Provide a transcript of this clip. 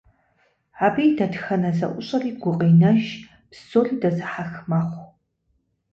Абы и дэтхэнэ зэӏущӏэри гукъинэж, псори дэзыхьэх мэхъу.